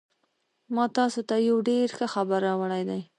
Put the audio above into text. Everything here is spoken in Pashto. ما تاسو ته یو ډېر ښه خبر راوړی دی